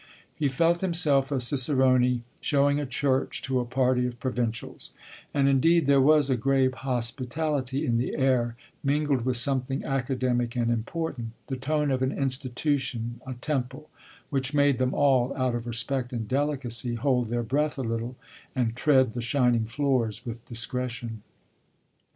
He felt himself a cicerone showing a church to a party of provincials; and indeed there was a grave hospitality in the air, mingled with something academic and important, the tone of an institution, a temple, which made them all, out of respect and delicacy, hold their breath a little and tread the shining floors with discretion.